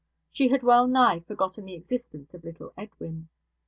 She had wellnigh forgotten the existence of little Edwin.